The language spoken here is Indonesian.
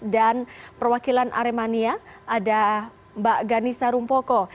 dan perwakilan aremania ada mbak ghanisa rumpoko